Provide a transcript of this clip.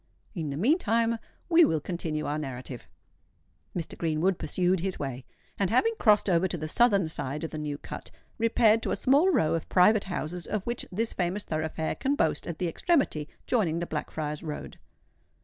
In the meantime we will continue our narrative. Mr. Greenwood pursued his way, and, having crossed over to the southern side of the New Cut, repaired to a small row of private houses of which this famous thoroughfare can boast at the extremity joining the Blackfriars' Road.